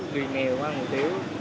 người nghèo có ăn hủ tiếu